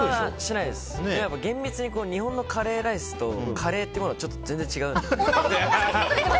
あと厳密にいうと日本のカレーライスとカレーっていうものは全然違うので。